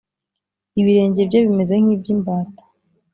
ibirenge bye bimeze nk’ iby’ imbata